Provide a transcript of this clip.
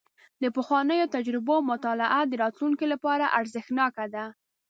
د پخوانیو تجربو مطالعه د راتلونکي لپاره ارزښتناکه ده.